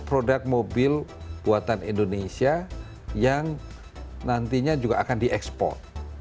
produk mobil buatan indonesia yang nantinya juga akan diekspor